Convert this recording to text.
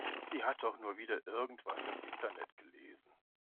Sie hat doch nur wieder irgendwas im Internet gelesen.